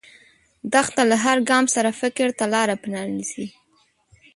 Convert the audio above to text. دښته له هر ګام سره فکر ته لاره پرانیزي.